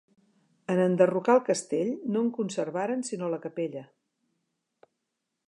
En enderrocar el castell, no en conservaren sinó la capella.